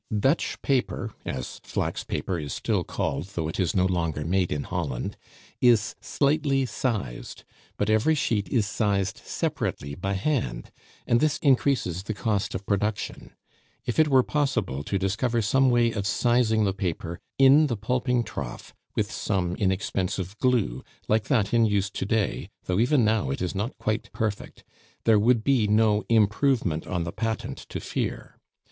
Dutch paper as flax paper is still called, though it is no longer made in Holland, is slightly sized; but every sheet is sized separately by hand, and this increases the cost of production. If it were possible to discover some way of sizing the paper in the pulping trough, with some inexpensive glue, like that in use to day (though even now it is not quite perfect), there would be no "improvement on the patent" to fear.